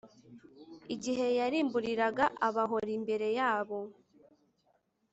igihe yarimburiraga abahori+ imbere yabo